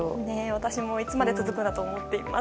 私もいつまで続くんだろうと思っています。